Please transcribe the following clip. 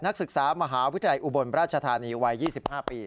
นักศึกษามหาวิทยาลัยอุบลราชธานีวัย๒๕ปี